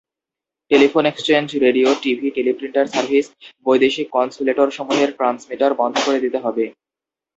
Telephone exchange, radio, TV, teleprinter service, বৈদেশিক কনস্যুলেটসমূহের transmitter বন্ধ করে দিতে হবে।